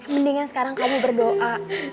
mendingan sekarang kamu berdoa